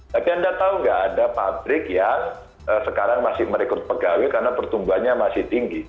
tapi anda tahu nggak ada pabrik yang sekarang masih merekrut pegawai karena pertumbuhannya masih tinggi